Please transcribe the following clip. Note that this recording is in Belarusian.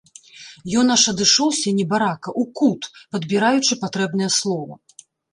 Ён аж адышоўся, небарака, у кут, падбіраючы патрэбнае слова.